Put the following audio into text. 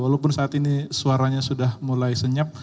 walaupun saat ini suaranya sudah mulai senyap